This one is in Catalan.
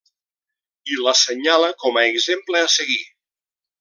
I l'assenyala com a exemple a seguir.